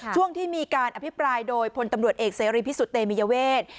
ช่วงที่มีการอภิปรายโดยพลตำรวจเอกเสรีพิสุทธิ์เตมียเวท